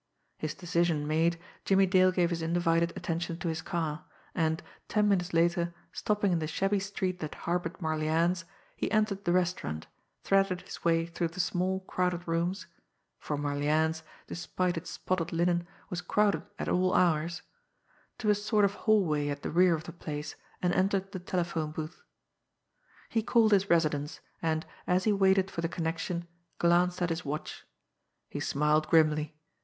His decision made, Jimmie Dale gave his undivided attention to his car, and ten minutes later, stopping in the shabby street that harboured Marlianne's, he entered the restaurant, threaded his way through the small crowded rooms for Marlianne's, despite its spotted linen, was crowded at all hours to a sort of hallway at the rear of the place, and entered the telephone booth. He called his residence, and, as he waited for the connection, glanced at his watch. He smiled grimly.